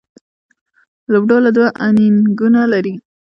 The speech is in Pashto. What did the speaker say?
لوبډله دوه انینګونه لري.